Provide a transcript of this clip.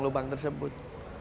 ada lubang tersebut